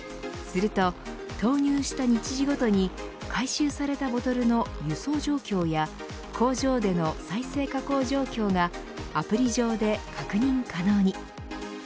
すると投入した日時ごとに回収されたボトルの輸送状況や工場での再生加工状況がアプリ上で確認可能に。